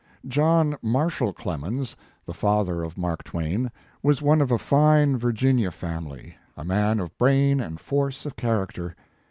John Marshall Clemens, the father of Mark Twain, was one of a fine Virginia family, a man of brain and force of char acter.